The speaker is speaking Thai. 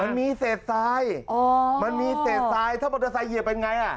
มันมีเศษทรายมันมีเศษทรายถ้ามอเตอร์ไซค์เหยียบเป็นไงอ่ะ